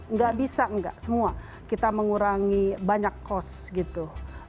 nggak bisa nggak semua kita mengurangi banyak cost gitu